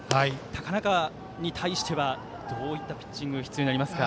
高中に対してはどういったピッチングが必要になりますか？